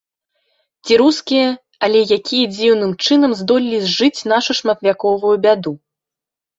Ці рускія, але якія дзіўным чынам здолелі зжыць нашу шматвяковую бяду.